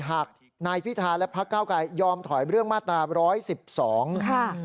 หากนายพิทาและพระเก้าไกรยอมถอยเรื่องมาตรา๑๑๒